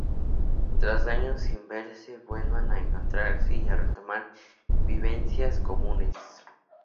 Tras años sin verse vuelven a encontrarse, y a retomar vivencias comunes.